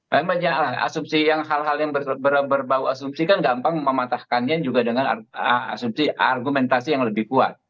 memang asumsi yang hal hal yang berbau asumsi kan gampang mematahkannya juga dengan asumsi argumentasi yang lebih kuat